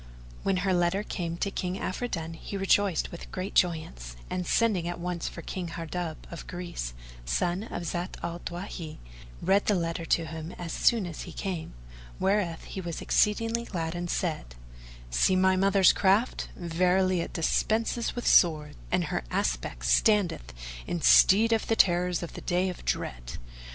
When her letter came to King Afridun, he rejoiced with great joyance; and, sending at once for King Hardub of Greece, son of Zat al Dawahi, read the letter to him as soon as he came, whereathe was exceeding glad and said, "See my mother's craft; verily it dispenseth with swords, and her aspect standeth in stead of the terrors of the Day of Dread."